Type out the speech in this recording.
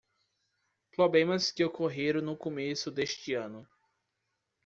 Problemas que ocorreram no começo deste ano